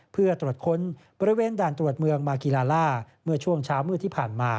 เพื่อตรวจค้นบริเวณด่านตรวจเมืองมากีฬาล่าเมื่อช่วงเช้ามืดที่ผ่านมา